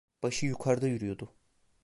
Başı yukarıda yürüyordu.